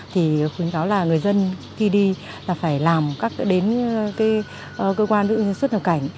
thì khuyến kháo là người dân khi đi là phải đến cơ quan đựng xuất cảnh